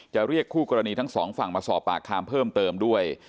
เรียกคู่กรณีทั้งสองฝั่งมาสอบปากคำเพิ่มเติมด้วย